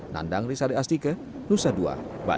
nandang risade astike nusa dua bali